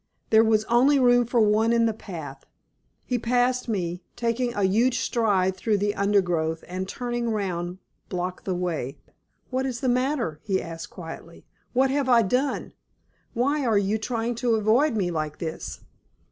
There was only room for one in the path. He passed me, taking a huge stride through the undergrowth, and turning round blocked the way. "What is the matter?" he asked, quietly. "What have I done? Why are you trying to avoid me, like this?"